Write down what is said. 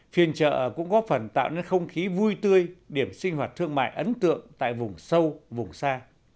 phiên trợ cũng góp phần tạo nên không khí vui tươi điểm sinh hoạt thương mại ấn tượng tại vùng sâu vùng xa